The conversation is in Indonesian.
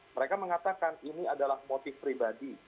mereka mengatakan ini adalah motif pribadi